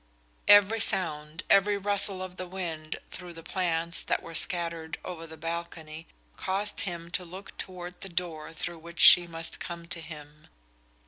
Every sound, every rustle of the wind through the plants that were scattered over the balcony caused him to look toward the door through which she must come to him.